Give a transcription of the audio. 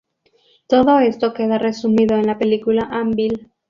Todo esto queda resumido en la película "Anvil!